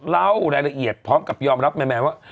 เล่ารายละเอียดพร้อมกับยอมรับแมนว่า